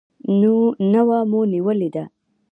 نوه مو نیولې ده.